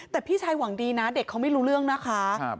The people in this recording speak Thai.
แต่พี่ชายหวังดีนะเด็กเขาไม่รู้เรื่องนะคะ